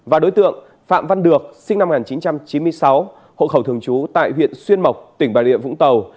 và đối tượng phạm văn được sinh năm một nghìn chín trăm chín mươi sáu hộ khẩu thường trú tại huyện xuyên mộc tỉnh bà rịa vũng tàu